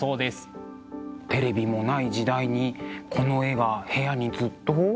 テレビもない時代にこの絵が部屋にずっと。